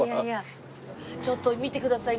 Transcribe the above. ちょっと見てください